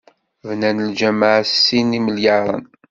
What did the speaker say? Bnan lǧameɛ s sin imelyaren.